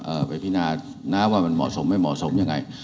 ไปพินานะว่ามันเหมาะสมไม่เหมาะสมยังไง